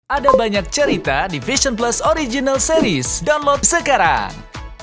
ada banyak cerita di vision plus original series download sekarang